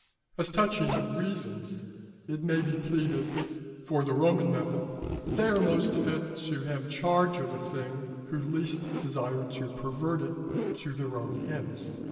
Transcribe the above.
As touching reasons, it may be pleaded for the Roman method, that they are most fit to have charge of a thing, who least desire to pervert it to their own ends.